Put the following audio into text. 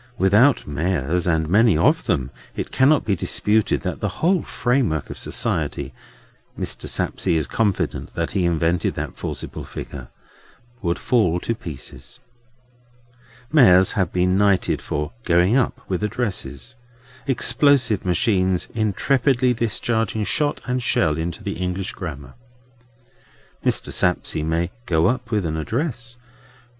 Without mayors, and many of them, it cannot be disputed that the whole framework of society—Mr. Sapsea is confident that he invented that forcible figure—would fall to pieces. Mayors have been knighted for "going up" with addresses: explosive machines intrepidly discharging shot and shell into the English Grammar. Mr. Sapsea may "go up" with an address.